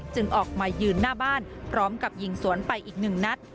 ออกมายืนหน้าบ้านพร้อมกับยิงสวนไปอีกหนึ่งนัด